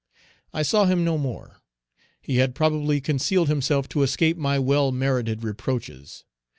I saw him no more. He had probably concealed himself to escape my well merited reproaches.